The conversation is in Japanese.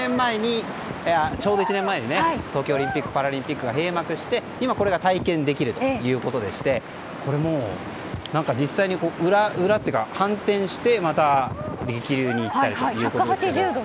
ちょうど１年前に東京オリンピック・パラリンピックが閉幕して、今これが体験できるということでして実際に反転してまた激流にいったりと。